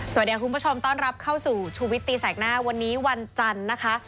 สวัสดีค่ะคุณผู้ชมต้อนรับเข้าสู่ชูวิตตีแสกหน้าวันนี้วันจันทร์นะคะ